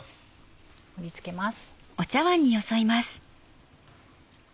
盛り付けます。